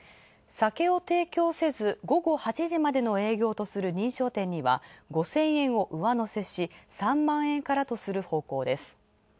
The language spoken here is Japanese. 酒を提供せず午後８時まで営業とする認証店には、５０００円を上乗せし３万円からとする方向です。